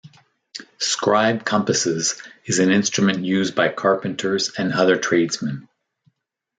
Scribe-compasses is an instrument used by carpenters and other tradesmen.